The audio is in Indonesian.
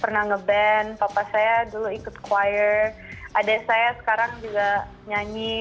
pernah ngeband papa saya dulu ikut choir adek saya sekarang juga nyanyi